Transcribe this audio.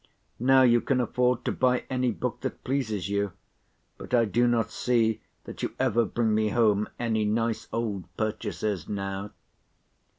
Now you can afford to buy any book that pleases you, but I do not see that you ever bring me home any nice old purchases now.